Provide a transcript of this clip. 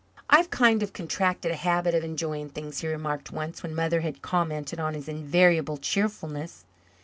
"I've kind of contracted a habit of enjoying things," he remarked once, when Mother had commented on his invariable cheerfulness.